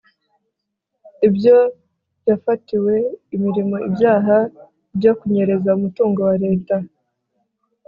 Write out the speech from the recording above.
ibyo yafatiwe birimo ibyaha byo kunyereza umutungo wa leta